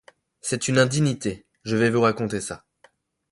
C'est une indignité, je vais vous raconter ça.